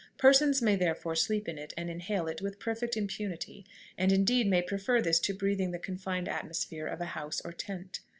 Persons may therefore sleep in it and inhale it with perfect impunity, and, indeed, many prefer this to breathing the confined atmosphere of a house or tent.